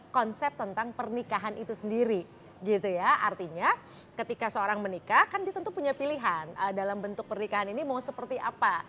konsep tentang pernikahan itu sendiri gitu ya artinya ketika seorang menikah kan dia tentu punya pilihan dalam bentuk pernikahan ini mau seperti apa